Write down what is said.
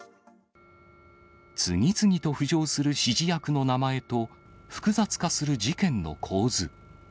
次々と浮上する指示役の名前と、複雑化する事件の構図。